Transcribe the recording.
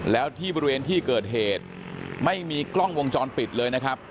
แล้วที่บริเวณที่เกิดเหตุไม่มีกล้องวงจรปิดเลยนะครับ